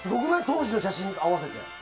当時の写真と合わせて。